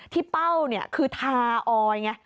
ที่เป้าคือทาออย